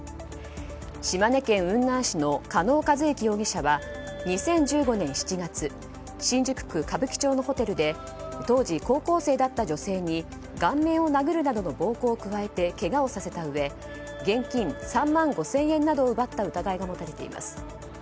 島根県雲南市の加納和通容疑者は２０１５年７月新宿区歌舞伎町のホテルで当時高校生だった女性に顔面を殴るなどの暴行を加えてけがをさせたうえ現金３万５０００円などを奪った疑いが持たれています。